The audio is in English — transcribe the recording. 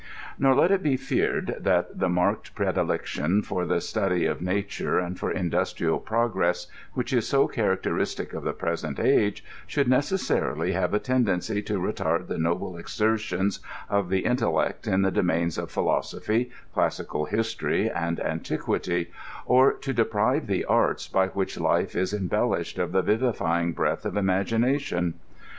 Nor let it be feared tbat tbe marked predilection for tbe study of nature, and for industrial progress, wbicb is so cbar acteristic of tbe present age, sbould necessarily bave a tenden cy to retard tbe noble exertions of tbe intellect in tbe domains of pbilosopby, classical bistory, and antiquity, or to deprive tbe arts by wbicb life is embellisbed of tbe vivifying breatb of imagination.